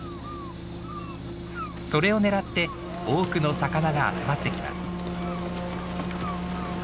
それを狙って多くの魚が集まってきます。